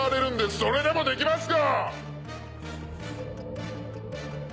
それでもできますか！